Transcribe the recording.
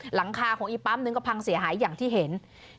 หลังคาของอีกปั๊มนึงก็พังเสียหายอย่างที่เห็น